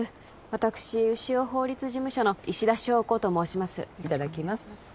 私潮法律事務所の石田硝子と申しますいただきます